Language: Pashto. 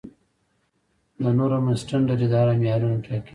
د نورم او سټنډرډ اداره معیارونه ټاکي